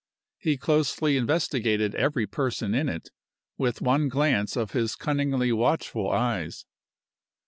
He closely investigated every person in it with one glance of his cunningly watchful eyes.